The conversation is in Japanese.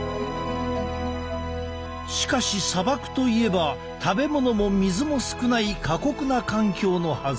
しかし砂漠といえば食べ物も水も少ない過酷な環境のはず。